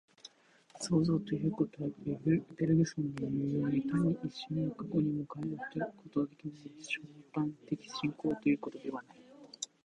創造ということは、ベルグソンのいうように、単に一瞬の過去にも還ることのできない尖端的進行ということではない。